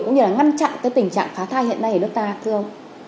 cũng như là ngăn chặn cái tình trạng phá thai hiện nay ở nước ta thưa ông